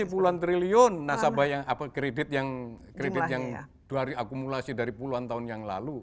dari puluhan triliun nasabah yang kredit yang dari akumulasi dari puluhan tahun yang lalu